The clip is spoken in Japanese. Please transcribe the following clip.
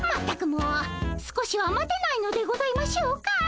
全くもう少しは待てないのでございましょうか。